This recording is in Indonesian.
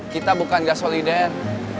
kita bukan gak solider